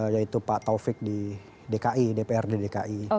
yaitu pak taufik di dki dpr di dki